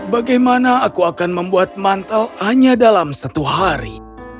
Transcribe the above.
bagaimana aku akan membuat mantel hanya dalam satu hari